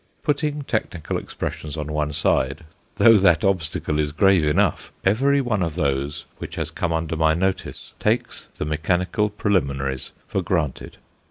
Putting technical expressions on one side though that obstacle is grave enough every one of those which have come under my notice takes the mechanical preliminaries for granted.